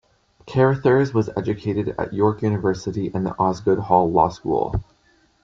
Carrothers was educated at York University and the Osgoode Hall Law School.